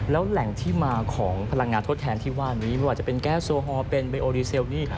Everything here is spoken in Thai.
แล้วแหล่งที่มาของพลังงานทดแทนที่ว่านี้ไม่ว่าจะเป็นแก้วโซฮอลเป็นเบโอดีเซลนี่